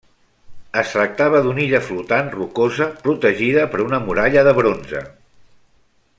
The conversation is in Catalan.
Es tractava d'una illa flotant, rocosa, protegida per una muralla de bronze.